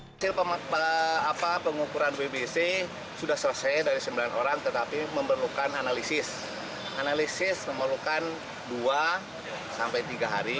wali kota tangerang selatan erin rahmidian